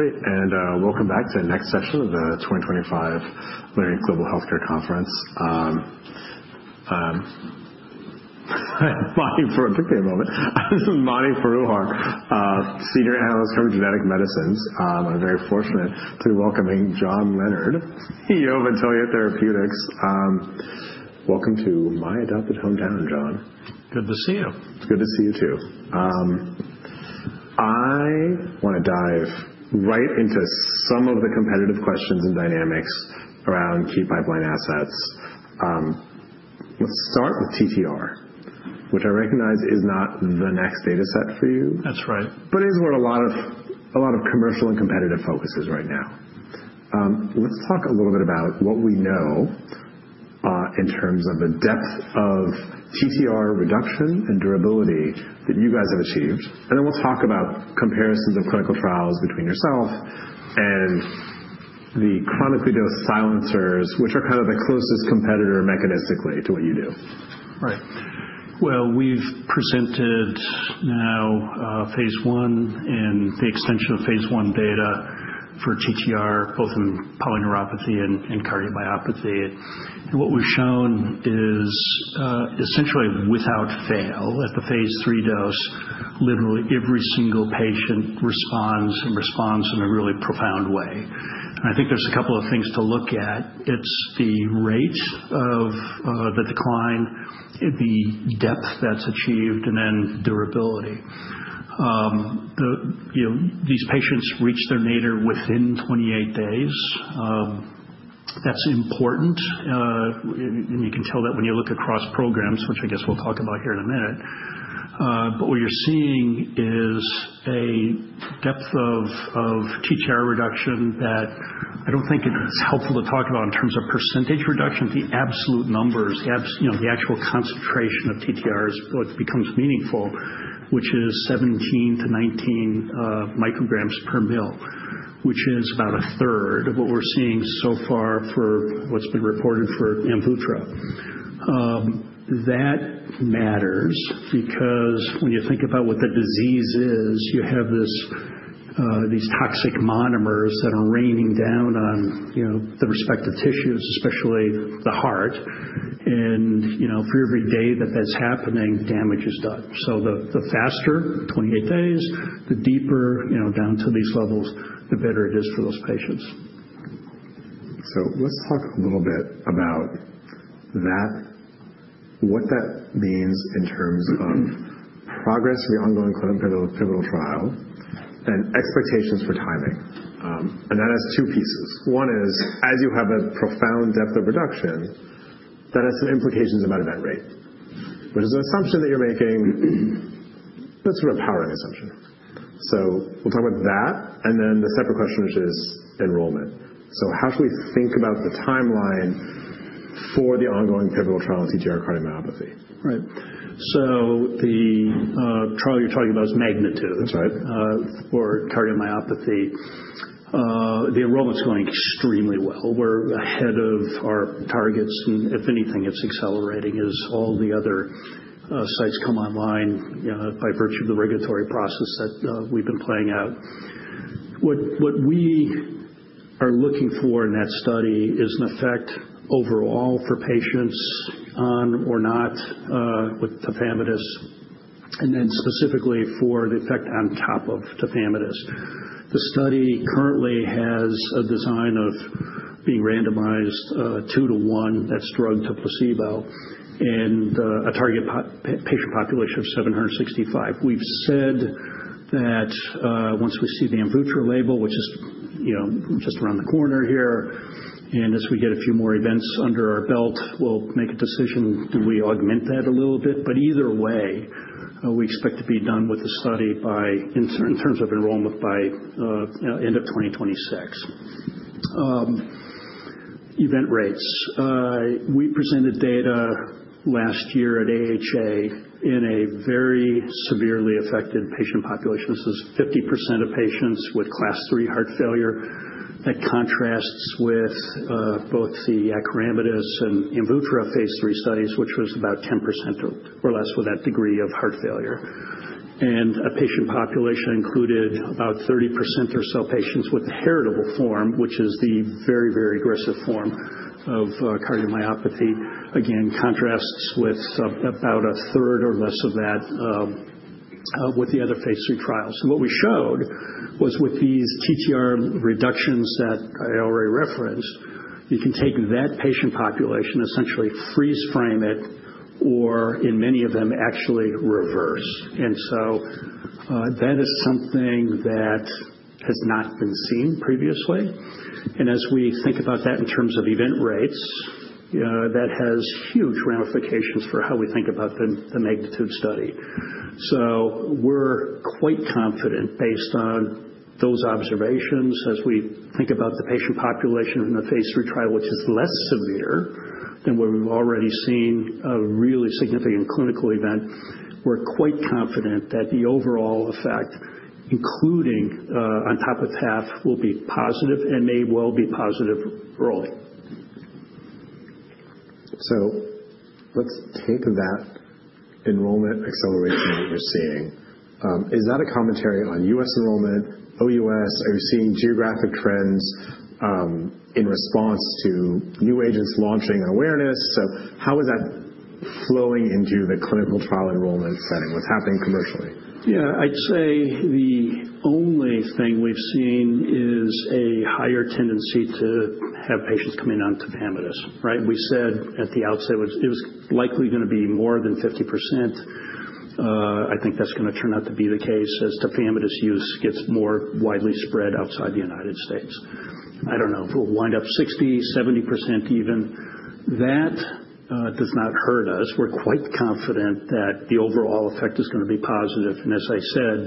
Great and welcome back to the next session of the 2025 Leerink Global Healthcare Conference. Pardon me for a moment. This is Mani Foroohar, Senior Analyst from Genetic Medicines. I'm very fortunate to be welcoming John Leonard, CEO of Intellia Therapeutics. Welcome to my adopted hometown, John. Good to see you. It's good to see you, too. I want to dive right into some of the competitive questions and dynamics around key pipeline assets. Let's start with TTR, which I recognize is not the next data set for you. That's right. But it is where a lot of commercial and competitive focus is right now. Let's talk a little bit about what we know in terms of the depth of TTR reduction and durability that you guys have achieved. And then we'll talk about comparisons of clinical trials between yourself and the chronically dosed silencers, which are kind of the closest competitor mechanistically to what you do. Right, well, we've presented now phase one and the extension of phase I data for TTR, both in polyneuropathy and cardiomyopathy, and what we've shown is essentially without fail at the phase III dose, literally every single patient responds and responds in a really profound way, and I think there's a couple of things to look at. It's the rate of the decline, the depth that's achieved, and then durability. These patients reach their nadir within 28 days. That's important, and you can tell that when you look across programs, which I guess we'll talk about here in a minute, but what you're seeing is a depth of TTR reduction that I don't think it's helpful to talk about in terms of percentage reduction. The absolute numbers, the actual concentration of TTR is what becomes meaningful, which is 17-19 micrograms per ml, which is about a third of what we're seeing so far for what's been reported for Amvuttra. That matters because when you think about what the disease is, you have these toxic monomers that are raining down on the respective tissues, especially the heart. And for every day that that's happening, damage is done. So the faster 28 days, the deeper down to these levels, the better it is for those patients. So let's talk a little bit about what that means in terms of progress for the ongoing clinical trial and expectations for timing. And that has two pieces. One is, as you have a profound depth of reduction, that has some implications about event rate, which is an assumption that you're making that's a very powerful assumption. So we'll talk about that. And then the separate question, which is enrollment. So how should we think about the timeline for the ongoing pivotal trial in TTR cardiomyopathy? Right. So the trial you're talking about is MAGNITUDE. That's right. For cardiomyopathy. The enrollment's going extremely well. We're ahead of our targets. And if anything, it's accelerating as all the other sites come online by virtue of the regulatory process that we've been playing out. What we are looking for in that study is an effect overall for patients on or not with tafamidis, and then specifically for the effect on top of tafamidis. The study currently has a design of being randomized two to one that's drug to placebo and a target patient population of 765. We've said that once we see the Amvuttra label, which is just around the corner here, and as we get a few more events under our belt, we'll make a decision, do we augment that a little bit. But either way, we expect to be done with the study in terms of enrollment by end of 2026. Event rates. We presented data last year at AHA in a very severely affected patient population. This is 50% of patients with class three heart failure. That contrasts with both the Acoramidis and Amvuttra phase III studies, which was about 10% or less with that degree of heart failure, and a patient population included about 30% or so patients with the heritable form, which is the very, very aggressive form of cardiomyopathy. Again, contrasts with about a third or less of that with the other phase III trials, so what we showed was with these TTR reductions that I already referenced, you can take that patient population, essentially freeze frame it, or in many of them actually reverse, and so that is something that has not been seen previously, and as we think about that in terms of event rates, that has huge ramifications for how we think about the MAGNITUDE study. We're quite confident based on those observations as we think about the patient population in the phase III trial, which is less severe than what we've already seen a really significant clinical event. We're quite confident that the overall effect, including on top of TAF, will be positive and may well be positive early. Let's take that enrollment acceleration that you're seeing. Is that a commentary on US enrollment, OUS? Are you seeing geographic trends in response to new agents launching and awareness? How is that flowing into the clinical trial enrollment setting? What's happening commercially? Yeah, I'd say the only thing we've seen is a higher tendency to have patients coming on tafamidis. Right? We said at the outset it was likely going to be more than 50%. I think that's going to turn out to be the case as tafamidis use gets more widely spread outside the United States. I don't know if we'll wind up 60%-70% even. That does not hurt us. We're quite confident that the overall effect is going to be positive. And as I said,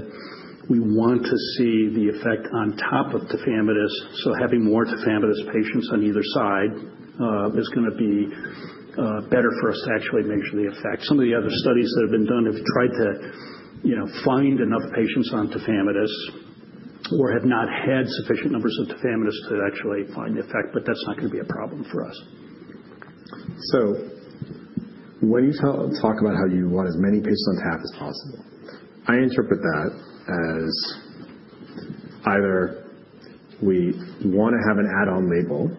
we want to see the effect on top of tafamidis. So having more tafamidis patients on either side is going to be better for us to actually measure the effect. Some of the other studies that have been done have tried to find enough patients on tafamidis or have not had sufficient numbers of tafamidis to actually find the effect, but that's not going to be a problem for us. So when you talk about how you want as many patients on TAF as possible, I interpret that as either we want to have an add-on label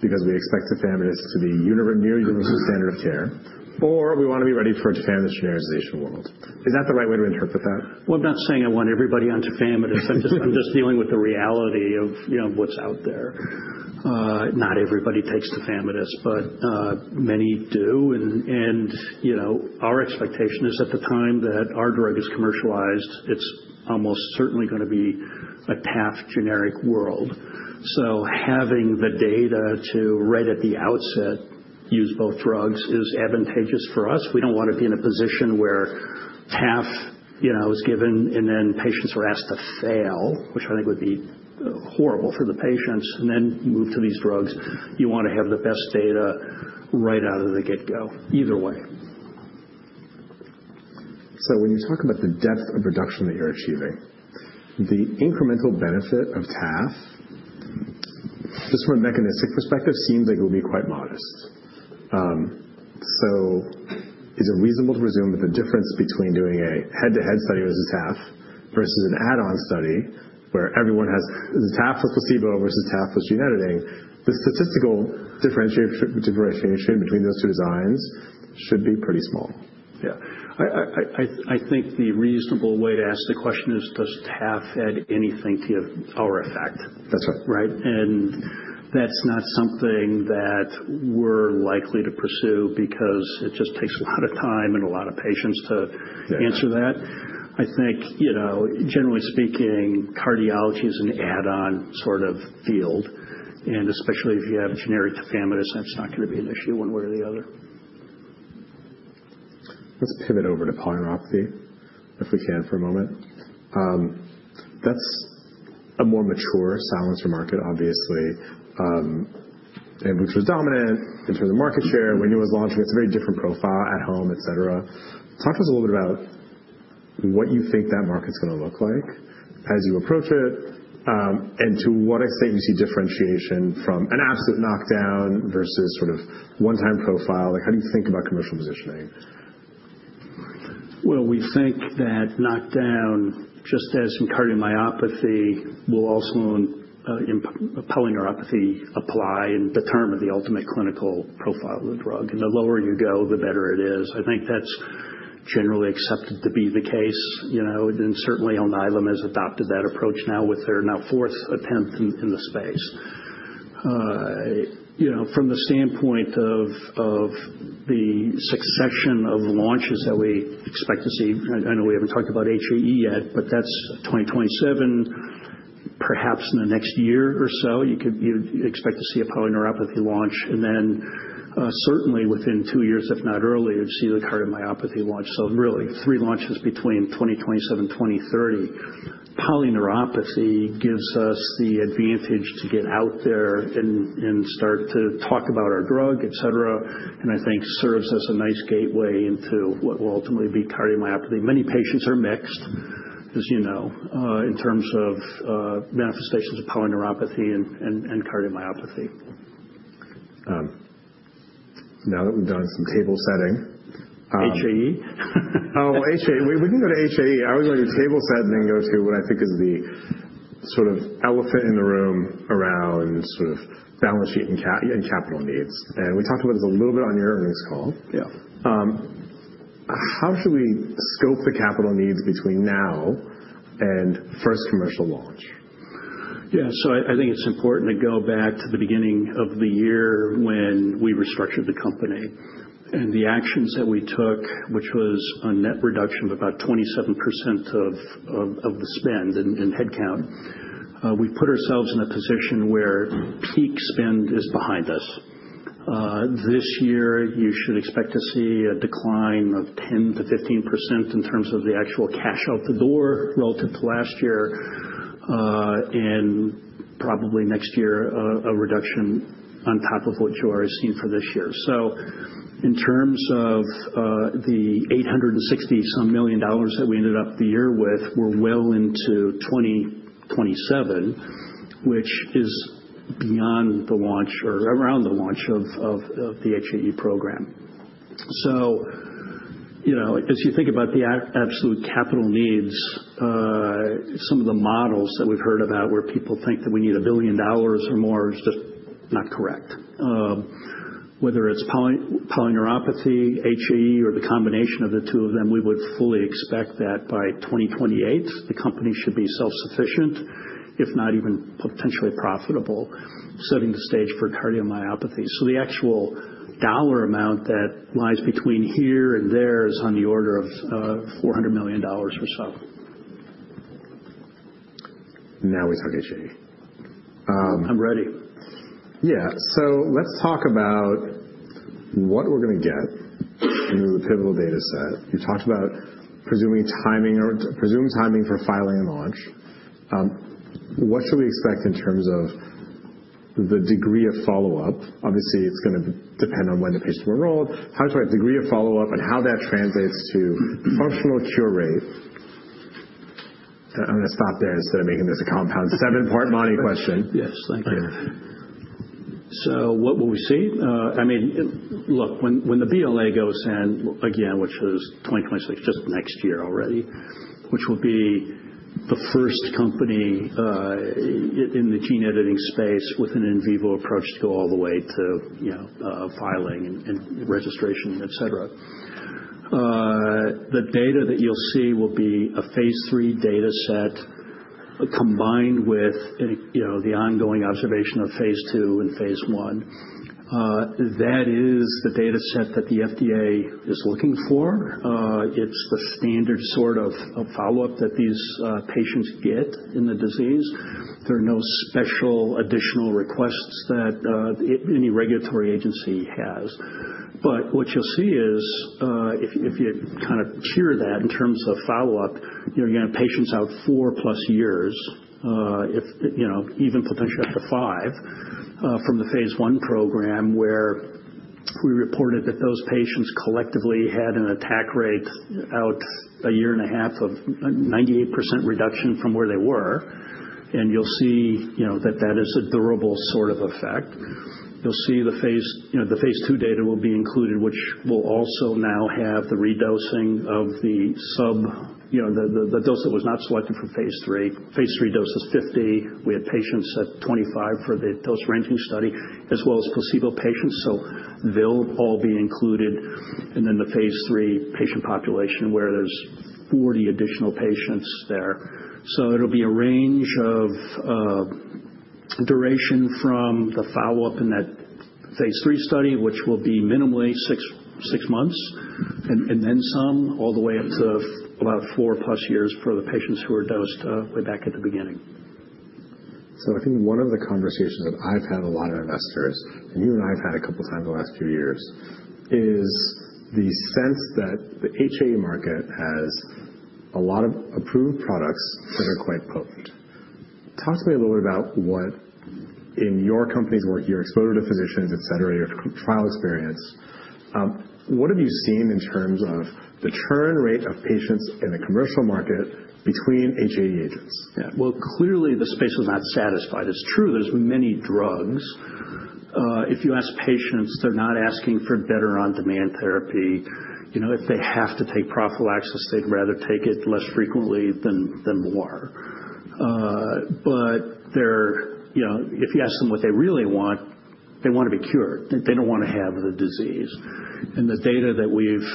because we expect tafamidis to be near universal standard of care, or we want to be ready for a tafamidis generalization world. Is that the right way to interpret that? Well, I'm not saying I want everybody on tafamidis. I'm just dealing with the reality of what's out there. Not everybody takes tafamidis, but many do. And our expectation is at the time that our drug is commercialized, it's almost certainly going to be a TAF generic world. So having the data to right at the outset use both drugs is advantageous for us. We don't want to be in a position where TAF is given and then patients are asked to fail, which I think would be horrible for the patients, and then move to these drugs. You want to have the best data right out of the get-go, either way. So when you talk about the depth of reduction that you're achieving, the incremental benefit of TAF, just from a mechanistic perspective, seems like it will be quite modest. So is it reasonable to presume that the difference between doing a head-to-head study versus TAF versus an add-on study where everyone has TAF with placebo versus TAF with gene editing, the statistical differentiation between those two designs should be pretty small? Yeah. I think the reasonable way to ask the question is, does TAF add anything to our effect? That's right. Right? And that's not something that we're likely to pursue because it just takes a lot of time and a lot of patience to answer that. I think, generally speaking, cardiology is an add-on sort of field. And especially if you have generic tafamidis, that's not going to be an issue one way or the other. Let's pivot over to polyneuropathy, if we can, for a moment. That's a more mature silencer market, obviously, which was dominant in terms of market share. When you were launching, it's a very different profile at home, et cetera. Talk to us a little bit about what you think that market's going to look like as you approach it, and to what extent you see differentiation from an absolute knockdown versus sort of one-time profile. How do you think about commercial positioning? We think that knockdown, just as in cardiomyopathy, will also in polyneuropathy apply and determine the ultimate clinical profile of the drug. And the lower you go, the better it is. I think that's generally accepted to be the case. And certainly, Alnylam has adopted that approach now with their now fourth attempt in the space. From the standpoint of the succession of launches that we expect to see, I know we haven't talked about HAE yet, but that's 2027, perhaps in the next year or so, you could expect to see a polyneuropathy launch. And then certainly within two years, if not earlier, you'd see the cardiomyopathy launch. So really, three launches between 2027 and 2030. Polyneuropathy gives us the advantage to get out there and start to talk about our drug, et cetera, and I think serves as a nice gateway into what will ultimately be cardiomyopathy. Many patients are mixed, as you know, in terms of manifestations of polyneuropathy and cardiomyopathy. Now that we've done some table setting. HAE? Oh, HAE. We didn't go to HAE. I was going to table set and then go to what I think is the sort of elephant in the room around sort of balance sheet and capital needs, and we talked about this a little bit on your earnings call. Yeah. How should we scope the capital needs between now and first commercial launch? Yeah. So I think it's important to go back to the beginning of the year when we restructured the company and the actions that we took, which was a net reduction of about 27% of the spend and headcount. We put ourselves in a position where peak spend is behind us. This year, you should expect to see a decline of 10%-15% in terms of the actual cash out the door relative to last year, and probably next year, a reduction on top of what you've already seen for this year. So in terms of the $860-some million that we ended up the year with, we're well into 2027, which is beyond the launch or around the launch of the HAE program. So as you think about the absolute capital needs, some of the models that we've heard about where people think that we need $1 billion or more is just not correct. Whether it's polyneuropathy, HAE, or the combination of the two of them, we would fully expect that by 2028, the company should be self-sufficient, if not even potentially profitable, setting the stage for cardiomyopathy. So the actual dollar amount that lies between here and there is on the order of $400 million or so. Now we talk HAE. I'm ready. Yeah. So let's talk about what we're going to get in the pivotal data set. You talked about assuming timing for filing and launch. What should we expect in terms of the degree of follow-up? Obviously, it's going to depend on when the patients were enrolled. How should we view degree of follow-up and how that translates to functional cure rate? I'm going to stop there instead of making this a compound seven-part Monty question. Yes, thank you. So what will we see? I mean, look, when the BLA goes in, again, which is 2026, just next year already, which will be the first company in the gene editing space with an in vivo approach to go all the way to filing and registration, et cetera. The data that you'll see will be a phase III data set combined with the ongoing observation of phase two and phase one. That is the data set that the FDA is looking for. It's the standard sort of follow-up that these patients get in the disease. There are no special additional requests that any regulatory agency has. But what you'll see is if you kind of cure that in terms of follow-up, you're going to have patients out four plus years, even potentially up to five from the phase one program where we reported that those patients collectively had an attack rate out a year and a half of 98% reduction from where they were. And you'll see that that is a durable sort of effect. You'll see the phase two data will be included, which will also now have the redosing of the suboptimal dose that was not selected for phase III. Phase III dose is 50. We had patients at 25 for the dose ranging study, as well as placebo patients. So they'll all be included. And then the phase III patient population where there's 40 additional patients there. It'll be a range of duration from the follow-up in that phase III study, which will be minimally six months, and then some all the way up to about four plus years for the patients who were dosed way back at the beginning. So I think one of the conversations that I've had a lot of investors, and you and I have had a couple of times the last few years, is the sense that the HAE market has a lot of approved products that are quite potent. Talk to me a little bit about what in your company's work, your exposure to physicians, et cetera, et cetera, your trial experience, what have you seen in terms of the churn rate of patients in the commercial market between HAE agents? Yeah. Well, clearly, the space is not satisfied. It's true there's many drugs. If you ask patients, they're not asking for better on-demand therapy. If they have to take prophylaxis, they'd rather take it less frequently than more. But if you ask them what they really want, they want to be cured. They don't want to have the disease. And the data that we've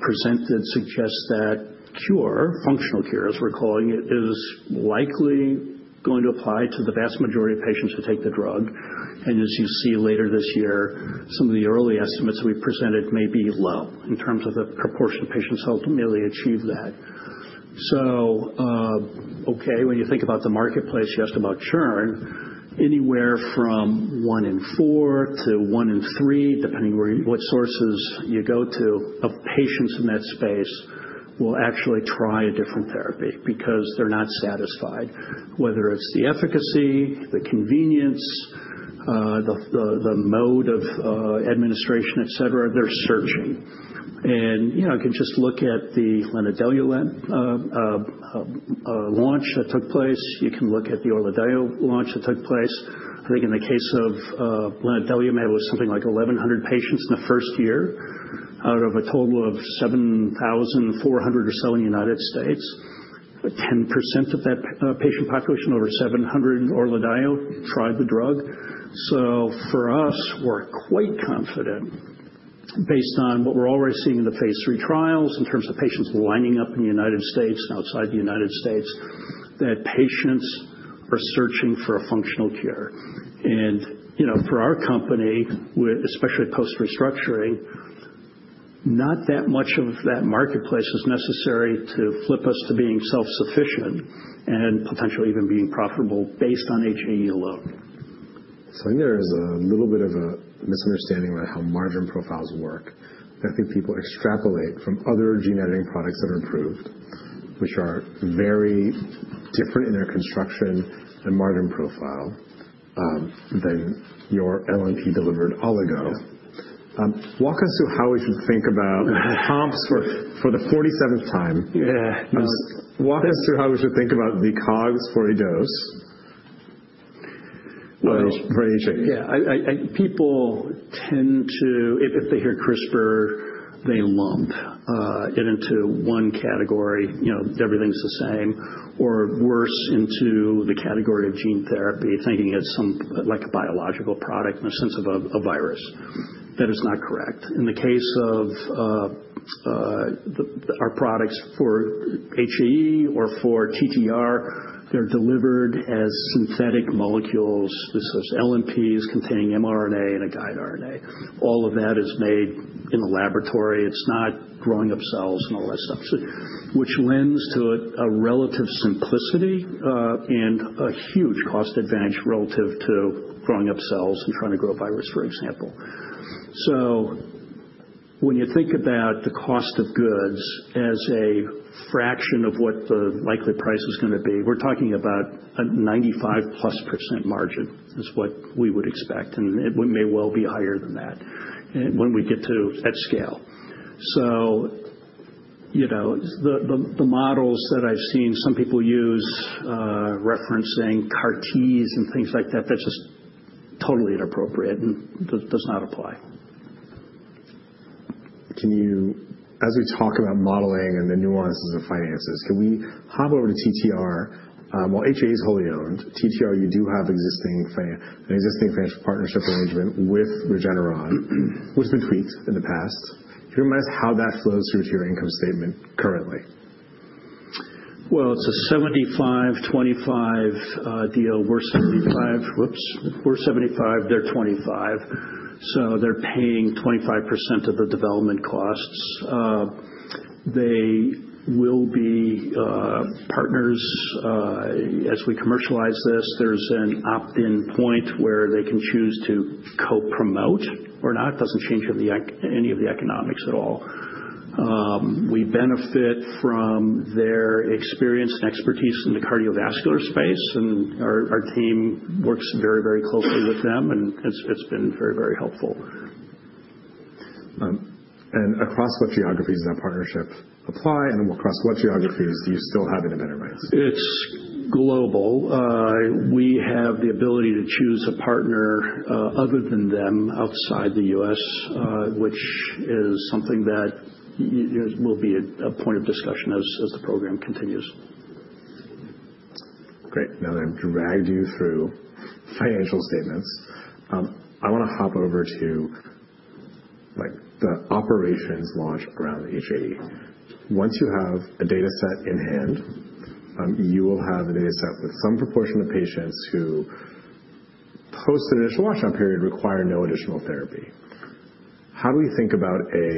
presented suggests that cure, functional cure, as we're calling it, is likely going to apply to the vast majority of patients who take the drug. And as you see later this year, some of the early estimates that we've presented may be low in terms of the proportion of patients ultimately achieve that. Okay, when you think about the marketplace, you asked about churn, anywhere from one in four to one in three, depending on what sources you go to, of patients in that space will actually try a different therapy because they're not satisfied. Whether it's the efficacy, the convenience, the mode of administration, et cetera, they're searching. You can just look at the lanadelumab launch that took place. You can look at the Orladeyo launch that took place. I think in the case of lanadelumab, maybe it was something like 1,100 patients in the first year out of a total of 7,400 or so in the United States. 10% of that patient population over 700 Orladeyo tried the drug. So for us, we're quite confident based on what we're already seeing in the phase III trials in terms of patients lining up in the United States and outside the United States that patients are searching for a functional cure. And for our company, especially post-restructuring, not that much of that marketplace is necessary to flip us to being self-sufficient and potentially even being profitable based on HAE alone. So I think there is a little bit of a misunderstanding about how margin profiles work. I think people extrapolate from other gene editing products that are approved, which are very different in their construction and margin profile than your LNP-delivered oligo. Walk us through how we should think about the comps for the 47th time. Walk us through how we should think about the cogs for a dose for HAE. Yeah. People tend to, if they hear CRISPR, they lump it into one category, everything's the same, or worse into the category of gene therapy, thinking it's like a biological product in the sense of a virus. That is not correct. In the case of our products for HAE or for TTR, they're delivered as synthetic molecules. This is LNPs containing mRNA and a guide RNA. All of that is made in the laboratory. It's not growing up cells and all that stuff, which lends to a relative simplicity and a huge cost advantage relative to growing up cells and trying to grow a virus, for example. So when you think about the cost of goods as a fraction of what the likely price is going to be, we're talking about a 95%+ margin is what we would expect. And it may well be higher than that when we get to that scale. So the models that I've seen some people use referencing CAR-Ts and things like that, that's just totally inappropriate and does not apply. As we talk about modeling and the nuances of finances, can we hop over to TTR? While HAE is wholly owned, TTR, you do have an existing financial partnership arrangement with Regeneron, which has been tweaked in the past. Can you remind us how that flows through to your income statement currently? It's a 75-25 deal, we're 75, whoops, we're 75, they're 25. So they're paying 25% of the development costs. They will be partners as we commercialize this. There's an opt-in point where they can choose to co-promote or not. It doesn't change any of the economics at all. We benefit from their experience and expertise in the cardiovascular space. And our team works very, very closely with them. And it's been very, very helpful. And across what geographies does that partnership apply? And across what geographies do you still have independent rights? It's global. We have the ability to choose a partner other than them outside the US, which is something that will be a point of discussion as the program continues. Great. Now that I've dragged you through financial statements, I want to hop over to the operations launch around HAE. Once you have a data set in hand, you will have a data set with some proportion of patients who, post the initial washout period, require no additional therapy. How do we think about a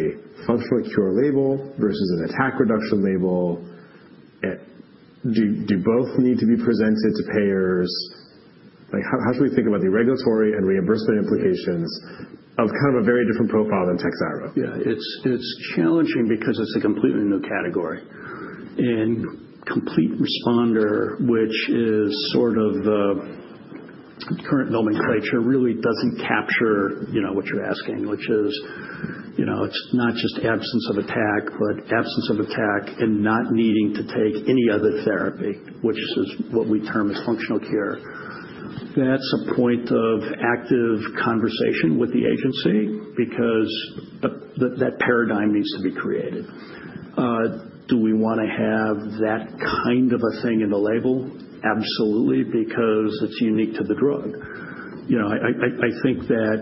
functional cure label versus an attack reduction label? Do both need to be presented to payers? How should we think about the regulatory and reimbursement implications of kind of a very different profile than Takhzyro? Yeah. It's challenging because it's a completely new category, and complete responder, which is sort of the current nomenclature, really doesn't capture what you're asking, which is it's not just absence of attack, but absence of attack and not needing to take any other therapy, which is what we term as functional cure. That's a point of active conversation with the agency because that paradigm needs to be created. Do we want to have that kind of a thing in the label? Absolutely, because it's unique to the drug. I think that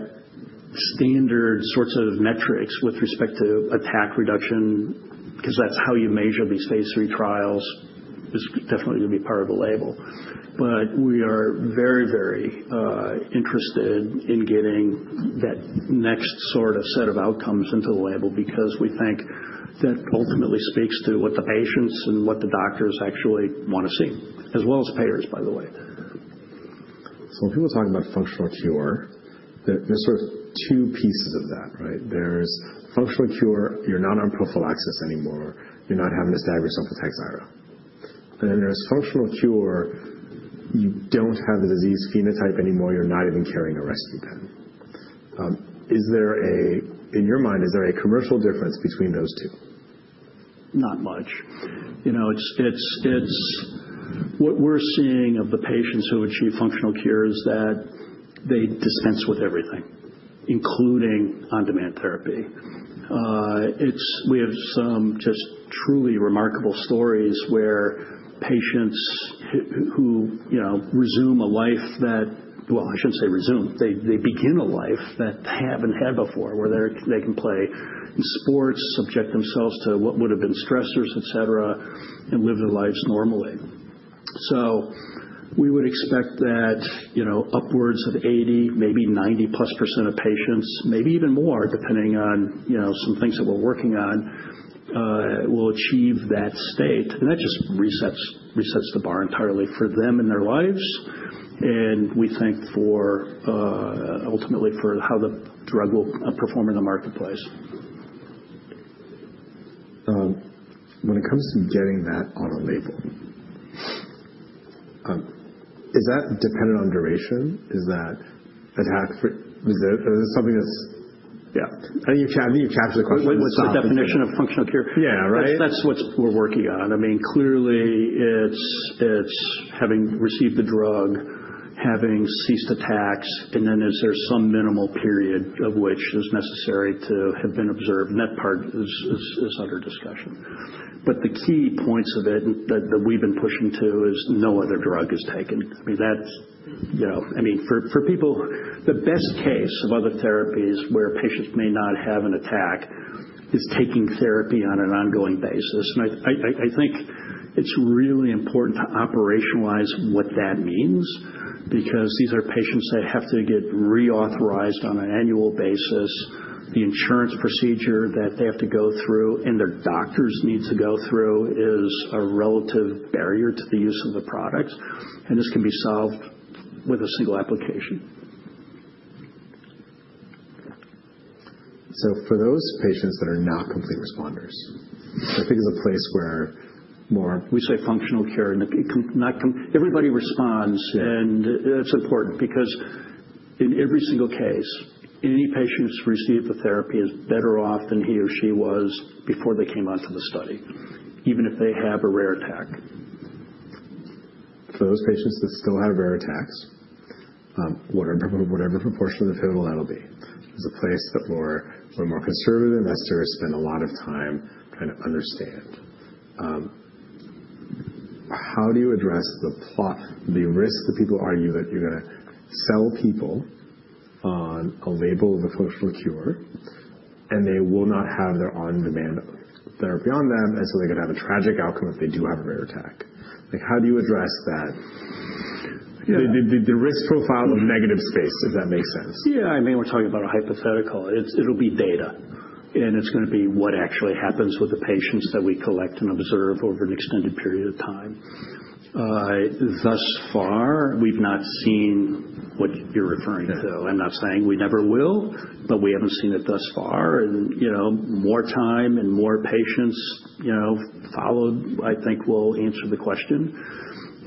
standard sorts of metrics with respect to attack reduction, because that's how you measure these phase III trials, is definitely going to be part of the label. But we are very, very interested in getting that next sort of set of outcomes into the label because we think that ultimately speaks to what the patients and what the doctors actually want to see, as well as payers, by the way. So when people talk about functional cure, there's sort of two pieces of that, right? There's functional cure, you're not on prophylaxis anymore. You're not having to stab yourself with Takhzyro. And then there's functional cure, you don't have the disease phenotype anymore. You're not even carrying a rescue pen. In your mind, is there a commercial difference between those two? Not much. What we're seeing of the patients who achieve functional cure is that they dispense with everything, including on-demand therapy. We have some just truly remarkable stories where patients who resume a life that, well, I shouldn't say resume, they begin a life that they haven't had before, where they can play in sports, subject themselves to what would have been stressors, et cetera, and live their lives normally. So we would expect that upwards of 80%, maybe 90%+ of patients, maybe even more, depending on some things that we're working on, will achieve that state. And that just resets the bar entirely for them and their lives. And we think ultimately for how the drug will perform in the marketplace. When it comes to getting that on a label, is that dependent on duration? Is that attack? Is it something that's, I think you captured the question. What's the definition of functional cure? Yeah, right. That's what we're working on. I mean, clearly, it's having received the drug, having ceased attacks, and then is there some minimal period of which is necessary to have been observed? And that part is under discussion. But the key points of it that we've been pushing to is no other drug is taken. I mean, for people, the best case of other therapies where patients may not have an attack is taking therapy on an ongoing basis. And I think it's really important to operationalize what that means because these are patients that have to get reauthorized on an annual basis. The insurance procedure that they have to go through and their doctors need to go through is a relative barrier to the use of the product. And this can be solved with a single application. So for those patients that are not complete responders, I think there's a place where more... We say functional cure. Everybody responds, and it's important because in every single case, any patient who's received the therapy is better off than he or she was before they came onto the study, even if they have a rare attack. For those patients that still have rare attacks, whatever proportion of the total, that'll be. There's a place that we're more conservative investors, spend a lot of time trying to understand. How do you address the risk that people argue that you're going to sell people on a label of a functional cure and they will not have their on-demand therapy on them and so they could have a tragic outcome if they do have a rare attack? How do you address the risk profile of negative space, if that makes sense? Yeah. I mean, we're talking about a hypothetical. It'll be data, and it's going to be what actually happens with the patients that we collect and observe over an extended period of time. Thus far, we've not seen what you're referring to. I'm not saying we never will, but we haven't seen it thus far, and more time and more patients followed, I think, will answer the question,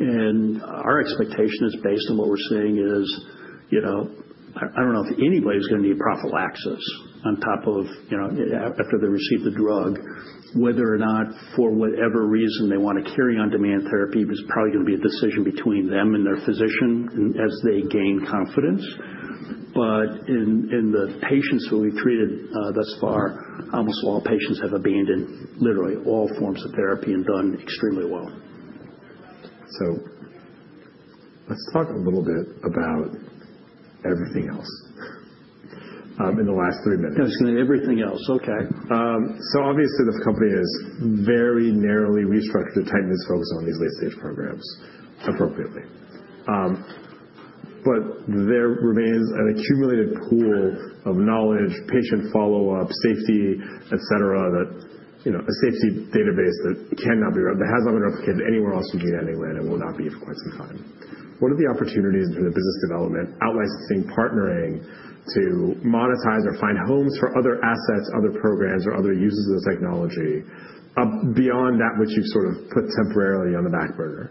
and our expectation is based on what we're seeing is I don't know if anybody's going to need prophylaxis on top of after they receive the drug, whether or not for whatever reason they want to carry on-demand therapy, but it's probably going to be a decision between them and their physician as they gain confidence, but in the patients that we've treated thus far, almost all patients have abandoned literally all forms of therapy and done extremely well. So, let's talk a little bit about everything else in the last three minutes. Everything else, okay. So obviously, the company is very narrowly restructured to tighten its focus on these late-stage programs appropriately. But there remains an accumulated pool of knowledge, patient follow-up, safety, et cetera, a safety database that has not been replicated anywhere else in the United Kingdom and will not be for quite some time. What are the opportunities for the business development, outlicensing, partnering to monetize or find homes for other assets, other programs, or other uses of the technology beyond that which you've sort of put temporarily on the back burner?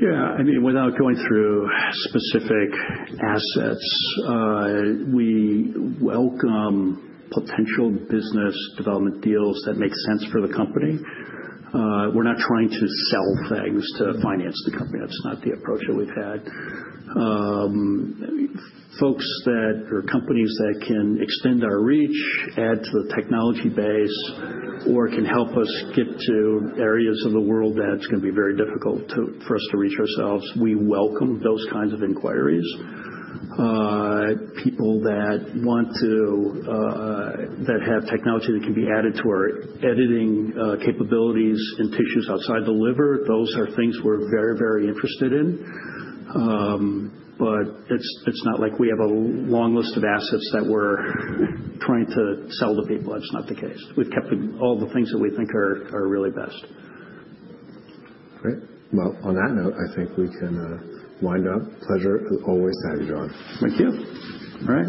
Yeah. I mean, without going through specific assets, we welcome potential business development deals that make sense for the company. We're not trying to sell things to finance the company. That's not the approach that we've had. Folks that are companies that can extend our reach, add to the technology base, or can help us get to areas of the world that's going to be very difficult for us to reach ourselves, we welcome those kinds of inquiries. People that have technology that can be added to our editing capabilities in tissues outside the liver, those are things we're very, very interested in. But it's not like we have a long list of assets that we're trying to sell to people. That's not the case. We've kept all the things that we think are really best. Great. Well, on that note, I think we can wind up. Pleasure always to have you, John. Thank you. All right.